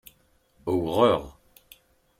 Uwɣeɣ.